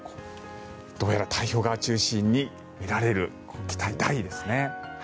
どうやら太平洋側を中心に見られる期待大ですね。